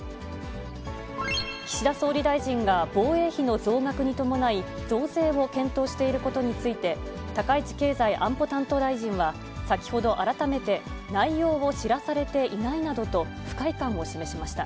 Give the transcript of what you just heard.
岸田総理大臣が防衛費の増額に伴い、増税を検討していることについて、高市経済安保担当大臣は、先ほど、改めて、内容を知らされていないなどと不快感を示しました。